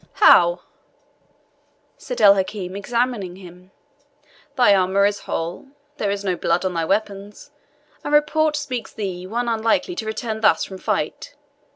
"How!" said El Hakim, examining him; "thy armour is whole there is no blood on thy weapons, and report speaks thee one unlikely to return thus from fight.